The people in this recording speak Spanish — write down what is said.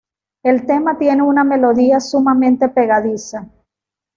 El tema tiene una melodía sumamente pegadiza.